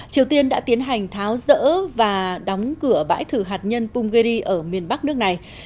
triều tiên đã tiến hành tháo rỡ và đóng cửa bãi thử hạt nhân punggiri ở miền bắc nước này